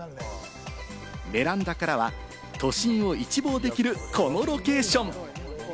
ベランダからは都心を一望できるこのロケーション。